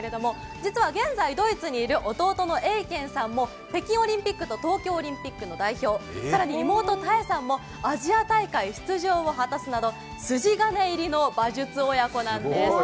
実は現在、ドイツにいる弟の英賢さんも北京オリンピックと東京オリンピックの代表更に妹、泰さんもアジア大会出場を果たすなど筋金入りの馬術親子なんです。